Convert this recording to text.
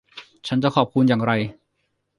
ฉันจะขอบคุณอย่างไร